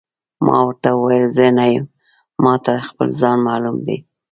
ما ورته وویل: زه نه یم، ما ته خپل ځان معلوم دی.